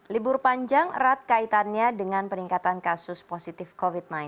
libur panjang erat kaitannya dengan peningkatan kasus positif covid sembilan belas